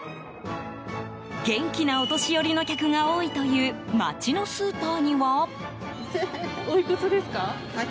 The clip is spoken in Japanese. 元気なお年寄りの客が多いという街のスーパーには。